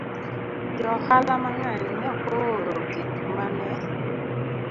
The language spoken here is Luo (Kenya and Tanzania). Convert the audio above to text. Joohala mang'eny ne ok ooro gik ma ne